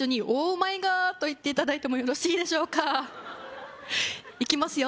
マエガーと言っていただいてもよろしいでしょうかいきますよ